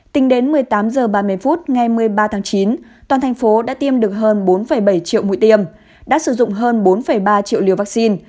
tính đến một mươi tám h ba mươi phút ngày một mươi ba tháng chín toàn thành phố đã tiêm được hơn bốn bảy triệu mũi tiêm đã sử dụng hơn bốn ba triệu liều vaccine